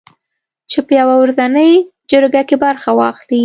چې په یوه ورځنۍ جرګه کې برخه واخلي